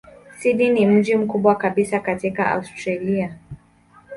Sydney ni mji mkubwa kabisa katika Australia.